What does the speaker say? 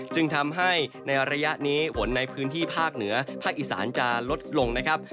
จึงทำให้ในระยะนี้ฝนในพื้นที่ภาคเหนือภาคอีสานจะลดลงนะครับ